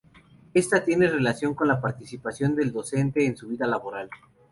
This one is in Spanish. Esta tiene relación con la participación del docente en su vida laboral.